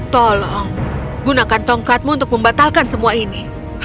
tolong gunakan tongkatmu untuk membatalkan semua ini